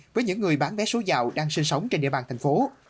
với những người bán vé số giàu đang sinh sống trên địa bàn thành phố